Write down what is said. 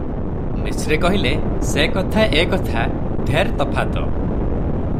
ମିଶ୍ରେ କହିଲେ, "ସେ କଥା ଏ କଥା ଢେର ତଫାତ୍ ।